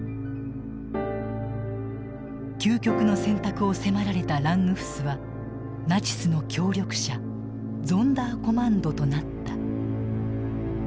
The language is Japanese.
究極の選択を迫られたラングフスはナチスの協力者ゾンダーコマンドとなった。